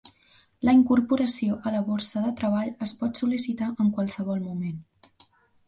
La incorporació a la borsa de treball es pot sol·licitar en qualsevol moment.